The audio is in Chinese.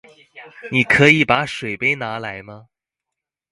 你可以把水杯拿来吗？